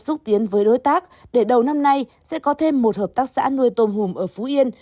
xúc tiến với đối tác để đầu năm nay sẽ có thêm một hợp tác xã nuôi tôm hùm ở phú yên